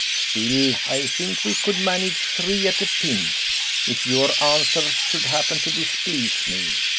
Still, I think we could manage three at a pinch, if your answers should happen to displease me.